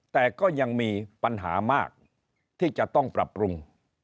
แต่ก็ยังมีปัญหามากที่จะต้องปรับปรุง